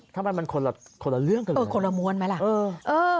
ทำไมมันคนละเรื่องกันเหรอคนละมวลมั้ยล่ะเออ